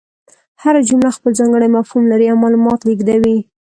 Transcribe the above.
هره جمله خپل ځانګړی مفهوم لري او معلومات لېږدوي.